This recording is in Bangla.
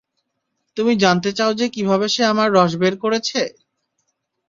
তুমি জানতে চাও যে কিভাবে সে আমার রস বের করেছে?